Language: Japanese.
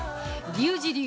リュウジ流！